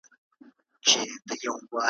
نو د سپیو لارښووني ته محتاج سي `